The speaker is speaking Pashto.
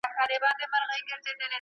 ستړې سوې مو درګاه ته یم راغلې.